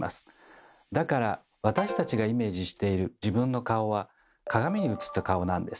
だから私たちがイメージしている自分の顔は鏡にうつった顔なんです。